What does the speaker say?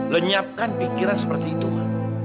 lenyapkan pikiran seperti itu